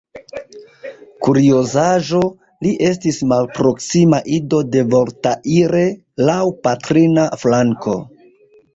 Kuriozaĵo: li estis malproksima ido de Voltaire, laŭ patrina flanko.